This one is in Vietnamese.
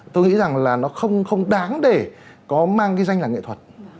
tôi nghĩ rằng là nó không đáng để có mang cái danh là nghệ thuật